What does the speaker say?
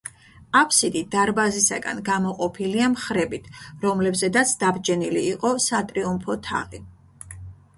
აფსიდი დარბაზისაგან გამოყოფილია მხრებით, რომლებზედაც დაბჯენილი იყო სატრიუმფო თაღი.